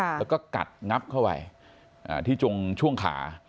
แล้วก็กัดงับเข้าไปที่จงช่วงขา